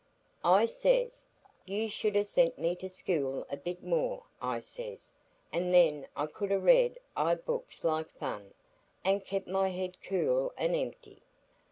I says, 'You should ha' sent me to school a bit more,' I says, 'an' then I could ha' read i' the books like fun, an' kep' my head cool an' empty.